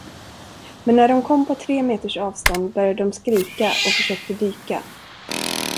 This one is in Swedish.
Men när de kom på tre meters avstånd började de skrika och försökte dyka.